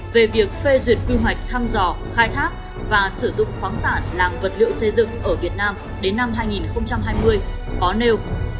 về việc phê duyệt quy hoạch thăm dò khai thác và sử dụng khoáng sản làm vật liệu xây dựng ở việt nam đến năm hai nghìn hai mươi có nêu